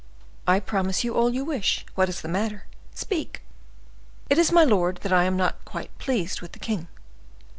"I promise you all you wish. What is the matter? Speak!" "It is, my lord, that I am not quite pleased with the king."